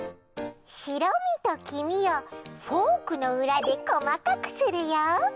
しろみときみをフォークのうらでこまかくするよ。